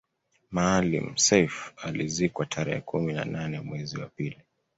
Maalim Self alizikwa tarehe kumi na nane mwezi wa pili